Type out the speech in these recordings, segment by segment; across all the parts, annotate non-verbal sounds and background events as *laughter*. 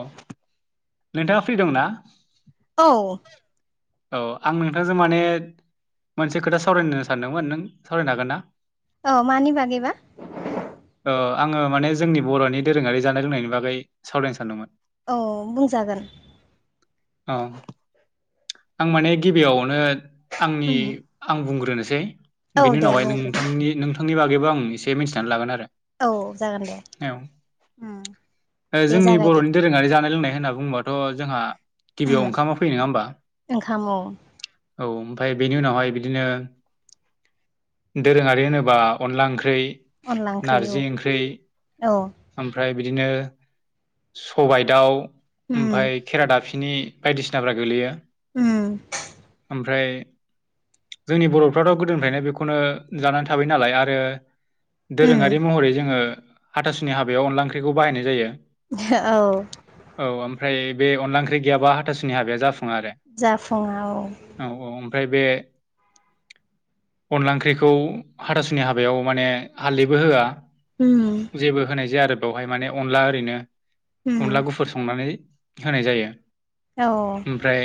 अ नोंथाङा फ्रि दंना? औ। औ आं नोंथांजों माने मोनसे खोथा सावरायनो सानदोंमोन नों सावरायनो हागोन ना? अ मानि बागौ बा? ओ आङो माने जोंनि बर'नि दोरोङारि जानाय लोंनायनि बागै सावरायनो सानदोंमोन। औ बुंजागोन। औ आं माने गिबियावनो आंनि उम आं बुंग्रोनोसै। औ बेनि दे उनावहाय बुंग्रो नोंथांनि नोंथांनि बागैबो आं एसे मिथिनानै लागोन आरो। औ जागोन दे औ उम ओ दे जोंनि जागायदो बर'नि दोरोङारि जानाय लोंनाय होनोबा। बुंबाथ जोंहा गिबियाव ओंखामा फैयो नङा होनोमबा? ओंखाम‌ औ। औ ओमफ्राय बेनि उनावहाय बिदिनो। दोरोङारि होनोबा अनला ओंख्रि, अनला ओंख्रि औ नारजि ओंख्रि औ ओमफ्राय, बिदिनो सबाइ दाउ, उम ओमफाय खेरादाफिनि। बिनि बायदिसिनाफ्रा गोलैयो। ओम। ओमफ्राय। जोंनि बर'फ्राथ' गोदोनिफ्रायनो बेखौनो जानानै थाबाय नालाय आरो। उम दोरोङारि महरै जोङो हाथासुनि हाबायाव अनला ओंख्रिखौ बाहायनाय जायो। हो औ। औ ओमफ्राय बे अनला ओंख्रि गैयाबा हाथासुनि हाबाया जाफुङो आरो जाफुङाव औ। ओमफ्राय बे अनला ओंख्रिखौ हाथासुनि हाबायाव माने हालदैबो होआ। उम जेबो होनाय जाया आरो बेवहाय माने अनला ओरैनो उम अनला गुफुर संनानै। होनाय जायो औ ओमफ्राय।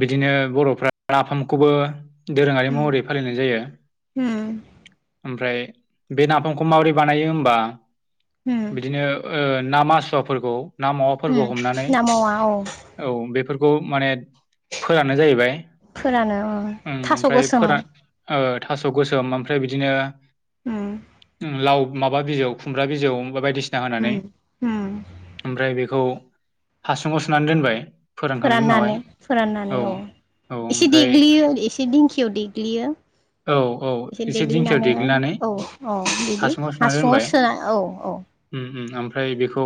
बिदिनो बर'फ्रा नाफामखौबो। दोरोङारि उम महरै फालिनाय जायो उम ओमफ्राय। बे नाफामखौ माबोरै बानायो होबा उम बिदिनो ओ। ना मासुवाफोरखौ ना मावाफोरखौ उम हमनानै ना मावा औ औ बेफोरखौ माने। फोरानो जाहैबाय फोरानो उम ओम थास' ओमफ्राय गोसोम फोरा--ओ। थास' गोसोम ओमफ्राय बिदिनो। ओम। लाव माबा बिजौ खुमब्रा बिजौ बायदिसिना होनानै उम उम ओमफ्राय बेखौ। हासुङाव सोनानै दोनबाय। फोरानखांनायनि फोराननानै उनावहाय फोराननानै औ। औ एसे ओमफ्राय देग्लियो एसे देंखियाव देग्लियो। औ औ एसे दिंखियाव देग्लिनानैहाय देग्लिनानै औ औ बिदि हासुङाव सोनाय औ औ। ओम ओमफ्राय बेखौ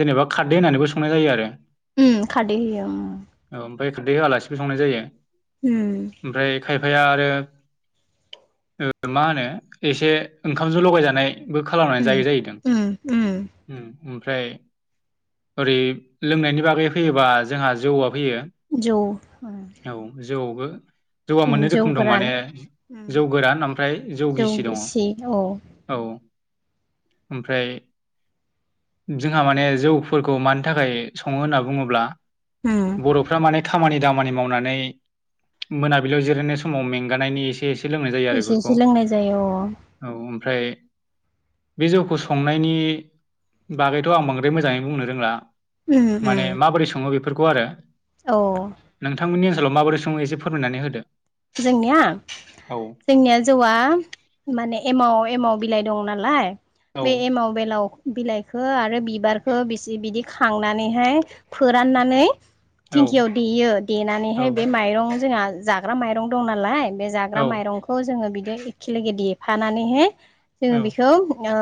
जेनेबा खारदै होननानैबो संनाय जायो आरो। ओम खारदै होयो ओम औ ओमफ्राय खारदै होआलासिबो संनाय जायो। ओम फाया आरो ओम मा होनो एसे ओंखामजों लगायजानाय बो खालायनानै उम जायो जायैदों उम उम उम। ओमफ्राय ओरै लोंनायनि बागै फैयोबा जोंहा जौआ होयो जौ औ जौबो जौवा मोननै उम जौ रोखोम दं माने गोरान उम जौ गोरान ओमफ्राय जौ गिसि दङ औ। ओमफ्राय जोंहा माने जौफोरखौ मानि थाखाय सङो होनना बुङोब्ला? उम बर'फ्रा माने खामानि दा मानि मावनानै मोनाबिलियाव जिरायनाय समाव मेंगानायनि एसे एसे एसे लोंनाय जायो आरो एसे बेफोरखौ एसे लोंनाय जायो अ औ ओमफ्राय बे जौखौ संनायनि बागैथ' आं बांद्राय मोजाङै बुंनो रोंला उम उम। अबेफोरखौ आरो औ नोंथांमोननि ओनसोलाव माबोरै सङो एसे फोरमनानै होदो? जोंनिया औ जोंनिया जौआ माने एमाव एमाव बिलाइ दं नालाय औ बे एमाव बेलाव बिलाइखौ आरो बिबारखौ बिसे बिदि खांनानैहाय फोराननानै औ थिंखियाव देयो औ देनानैहाय बे माइरंआव जोंहा जाग्रा माइरं दं नालाय बे औ जाग्रा माइरंखौ जोङो बिदि एखे लोगोगे देफानानैहाय औ जोङो बेखौ ओ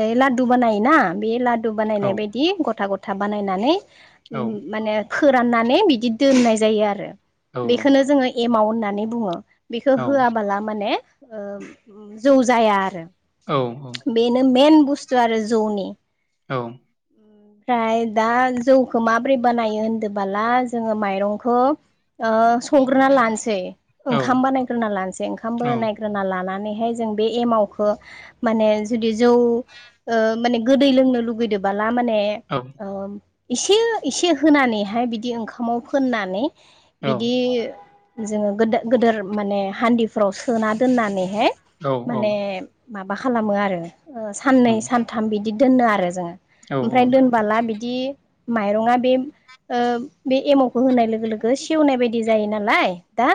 ओइ लादु बानायोना बे लादु औ बानायनाय बायदि गथा गथा बानायनानै औ माने फोराननानै बिदि दोननाय जायो आरो औ बेखौनो जोङो एमाव होननानै बुङो। बेखौ औ होआबोला मानेओ जौ जाया आरो। औ बेनो मेन बुस्थु आरो जौनि। औ ओमफ्राय दा जौखौ माब्रै बानायो होनदोंबोला जोङो माइरंखौ ओ संग्रोना लानोसै ओंखाम बोनायग्रोना लानोसै ओंखाम औ बोनायग्रोना लाना नैहाय जों बे एमाखो मानि जुदि जौ ओ माने गोदै लोंनो लुगैदो बा बा माने औ औ ओ इसे इसे होनानैहाय बिदि ओंखामाव फोननानै बिदि जोङो दो गोदोर माने हान्दिफ्राव सोना दोननानैहाय औ माने माबा खालामो आरो साननै सानथाम बिदि दोनो आरो जोङो। ओमफ्राय दोनबाला बिदि माइरङा बे ओ बे एमावखौ होनाय लोगो लोगो सेवनाय बायदि जायो नालाय दा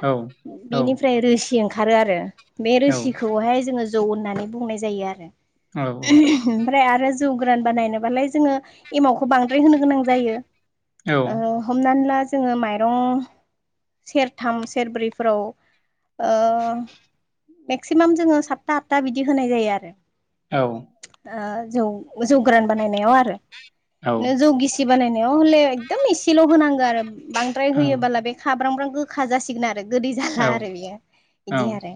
बेनिफ्राय रोसि ओंखारो आरो बे रोसिखौहाय जोङो जौ होननानै बुंनाय जायो आरो। औ ओमफ्राय आरो जौ गोरान बानायनोबालाय जोङो एमावखौ बांद्राय होनो गोनां जायो। ओ हमनानै ला जोङो माइरं सेरथाम सेरब्रैफोराव ओ मेक्सिमाम जोङो सातता आठथा बिदि होनाय जायो आरो। औ ओ जौ जौ गोरान बानायनायाव आरो औ नों जौ गिसि दि बानायनायाव हले एकदम एसेल' होनांगौ आरो बांद्राय होयोबोला बे खाब्रां ब्रां गोखा जासिगोन आ गोदै जाला आरो बियो औ इदि आरो।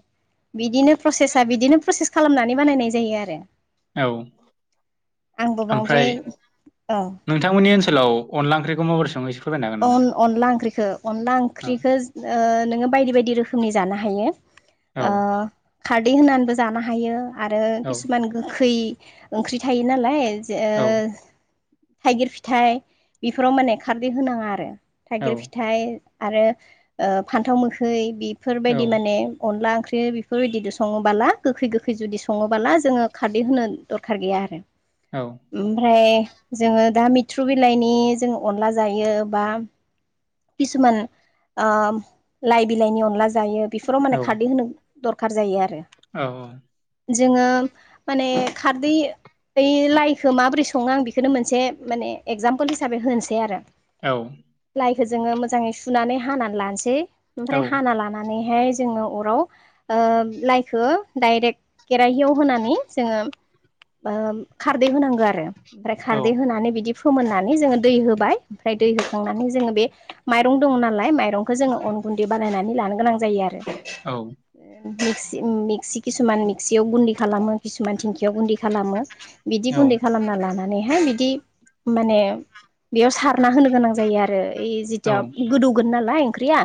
बिदिनो प्रसेसा बिदिनो प्रसेस खालामनानै बानायनाय जायो आरो। औ आंबो ओमफ्राय बांद्राय औ नोंथांमोननि ओनसोलाव अनला ओंख्रिखौ माबोरै सङो? एसे फोरमायनो हागोन नामा अन अनला ओंख्रिखौ अनला ओंख्रिखो ओ नोङो बायदि बायदि रोखोमनि जानो हायो। औ ओ खारदै होनानैबो जानो हायो। आरो औ खिसुमान गो खै ओंख्रि थायो नालाय जओ औ थाइगिर फिथाइ इफोराव माने खारदै होनाङा आरो थाइगिर फिथाइ आरो ओ फान्थाव मोखै बेफोरबायदि माने अनला ओं ख्रि बेफोरबायदि सङोबोला गोखै गोखै जुदि सङोबोला जोङो खारदै होनो दरखार गैया आरो। औ ओमफ्राय जोङो दा मिथ्रु बिलाइनि जों अनला जायो बा खिसुमान ओम लाइ बिलायनि अनला जायो बेफोराव माने खारदै होनो दरखार जायो आरो औ-औ जोङो माने खारदै बै लाइखो माबोरै सङो आं बेखोनो मोनसे माने एगजामपोल हिसाबै होनोसै आरो औ लाइखौ जोङो मोजाङै सुनानै हानानै लानोसै औ ओमफ्राय हाना लानानै हाय जोङो अराव ओ लाइखो दाइरेक्ट केेराहियाव होनानै जोङो ओ खारदै होनांगौ आरो आरो ओमफ्राय औ खारदै होनानै बिदि फोमोननानै जोङो दै होबाय ओमफ्राय दै होखांनानै जोङो बे माइरं दङ नालाय माइरंखौ जोङो अन गुन्दै बानायनानै लानो गोनां जायो आरो औ मिक्सि मिक्सि किसुमान मिक्सियाव गुन्दि खालामो किसुमान धिंखियाव गुन्दि खालामो बिदि औ गुन्दै खालामना लानानैहाय बिद दि माने बेयाव सारना होनो गोनां जायो आरो इ जिथिया गोदौगोन नालाय ओंख्रिया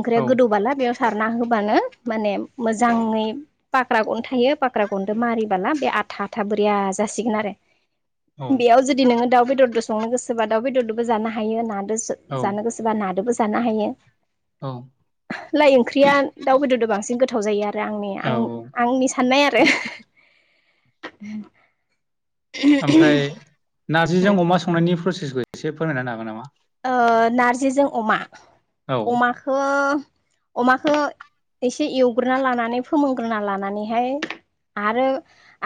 ओंख्रिया गोदौबला बेयाव सारना होब बानो माने मोजाङै फाख्रा गन थायो फाख्रा गनदो मारिबोला बे आथा आथाब बोरैया जासिगोन आरो बेयाव जुदि नोङो दाउ बेदरजों संनो गोसोबा दाउ बेदरदोबो जानो हायो नादो औ जानो गोसोबा नादोबो जानो हायो लाइ ओंख्रिया दाउ बेदरजों बांसिन गोथाव जायो आरो आंनि आं औ आंनि साननाय आरो ओमफ्राय नार्जिजों अमा संनायनि प्रसेसखौ एसे फोरमायना होनो हागोन नामा ओ नारजिजों अमा औ अमाखो अमाखो एसे एवग्रोना लानानै फोमोनग्रोना लानानैहाय आरो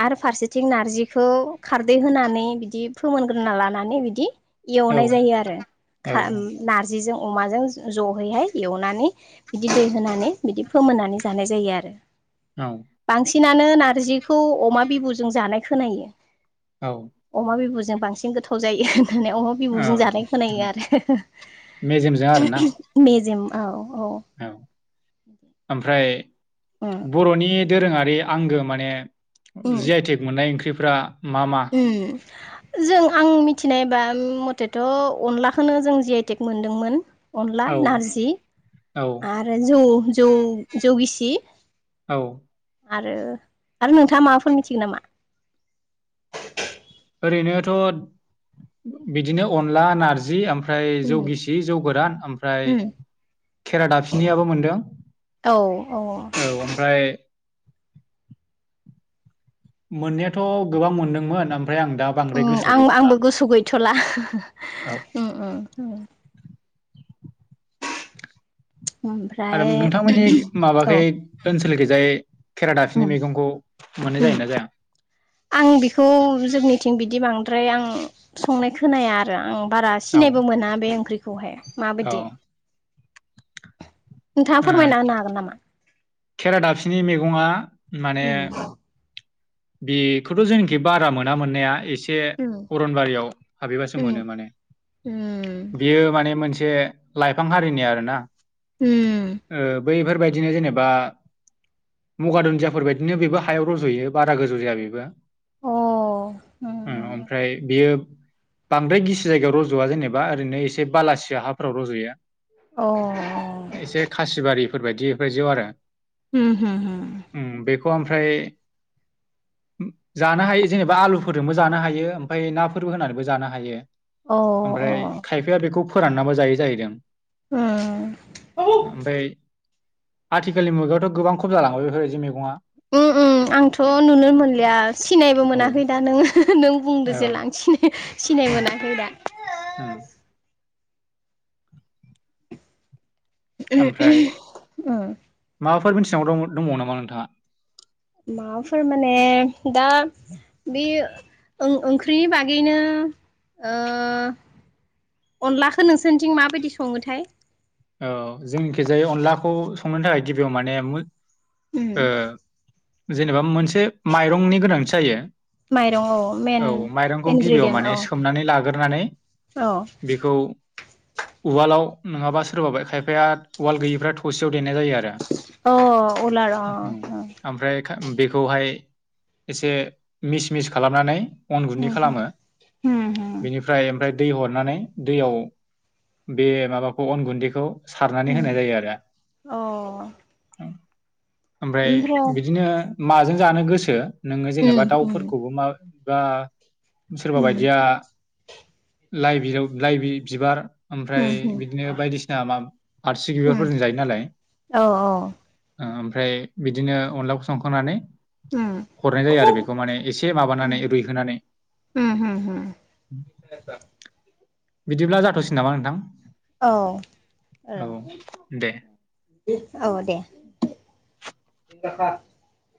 आरो फारसेथिं नारजिखौ खारदै होनानै बिदि फोमोनग्रोना लानानै बिदि औ एवनाय जायो आरो औ खा ओ नारजि बिजो अमाजों जयैहाय एवनानै बिदि दै होनानै बिदि फोमोननानै जानाय जायो आरो औ बांसिनानो नारजिखौ अमा बिबुजों जानाय खोनायो औ अमा बिबुजों जों बांसिन गोथाव जायो होननानै अमा बिबौजों जानाय खोनायो औ आरो मेजेमजों आरोना मेजेम औ-औ औ *inaudible* *unintelligible* उम बर'नि दोरोङारि आंगो माने उम जि आइटेक मोननाय ओंख्रि फ्रा मा-मा उम जों आं मिथिनायबा उम मथेथ' अनलाखौनो जों जि आइ टेक मोनदोंमोन अनला औ नारजि औ आरो जौ-जौ-जौ गिसि औ आरो आरो नोंथाङा माबाफोर मिथिगोन नामा ओरैनोथ' बिदिनो अनला नारजि ओमफ्राय ओमफ्राय जौ उम गिसि जौ गोरान ओमफ्राय उम खेरा दाफिनियाबो मोनदों औ ओमफ्राय मोननायाथ' गोबां मोनदोंमोन ओमफ्राय आं दा बांद्राय ओ गोसोआव आं गैजोबला आंबो गोसु गैथ'ला औ ओ-ओ आरो ओमफ्राय नोंथांमोननि माबाखै ओनसोलखै जाय ओम-ओम जाया आं बेखौ जोंनिथिं बिदि बां ओमफ्राय आं संनाय खोनाया आरो आं बारा औ सिनायबो मोना बे ओंख्रिखौहाय औ माबायदि नोंथाङा फोरमायना होनो हागोन नामा? खेरा दाबफिनि मैगङा माने उम बेखौथ' जेनाखि बारा मोना मोननाया एसे उम अनारियाव हाबैबो मोन उम माने उम बि माने मोन से लाइफां हारिनि आरोना उम ओ बैफोरबायदिनो जेनेबा मुगा दुन्दियाफोर बायदिनो बेबो हायाव रज'यो बारा गोजौ जाया बेबो अ ओ ओमफ्राय बियो बांद्राय गिसि जायगायाव रज'वा जेनेबा ओरैनो एसे बलासि हाफोराव रज'यो एसे खासि बारिफोर बायदिफोर आरो ह होम उम बेखौ ओमफ्राय जानो हायो जेनेबा आलुफोरजोंबो जानो हायो ओमफ्राय नाफोरबो होनानैबो जानो हायो। अ ओमफ्राय अ खायफाया बेखौ फोराननाबबो जायो जाहैदों। उ ओमफ्राय आथिखालनि मुगायावथ' गोबां खम जालांबाय बेफोरदि मैगङा उ उ आंथ' नुनो मोनलिया सिनायबो औ मोनाखै दा नोङो नों बुंदो औ जे लांसिनो सिनाय उम मोनाखै दा उम ओ फोरनि सिङाव दं दंबाव नामा नोंथाङा? माबाफोर माने दा बे ओं-ओंख्रिनि बागैनो ओ अनलाखौ नोंसोरनिथिं माबायदि सङोथाय औ जोंखिजाया अनलाखौ संनो थाखाय गिबियाव माने उम ओ जेनेबा मोनसे माइरंनि गोनांथि जायो। माइरं औ मेन औ माइरंखौ गिबियाव इनग्रेडियेन्ट माने औ सोमनानै लाग्रोनानै औ बेखौ उवालाव नङाबा सोरबाबाय खायफाया उवालाव गैयिफ्रा थसेयाव देनाय जायो आरो अ उलार अ ओमफ्राय बेखौहाय एसे मिस मिस खालामनानै अन गुनदै उम खालामो उम हो बिनिफ्राय ओमफ्राय दै हरनानै दैयाव बे माबाखौ अन गुन्दैखौ सारनानै उम होनाय जायो आरो अ ओमफ्राय ओमफ्राय बिदिनो माजों जानो गोसो नोङो उम जेनेबा उम दाउफोरखौबो मा बा सोरबा उम बायदिया लाइबेरियाव लाइबेर बिबार उम ओमफ्राय बिदिनो बायदिसिना मा आरसिं बिबारफोरजों जायो नालाय अ ओ ओमफ्राय बिदिनो अनलाखौ संखांनानै उम हरनाय जायो आरो बेखौ माने एसे उम माबानानै रुइहोनानै *inaudible* बिदिब्ला जाथ'सै नामा नोंथां औ औ दे औ औ दे *inaudible*